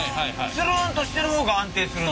ツルンとしてる方が安定するの？